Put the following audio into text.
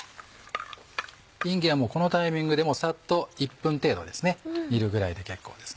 いんげんもこのタイミングでサッと１分程度煮るぐらいで結構です。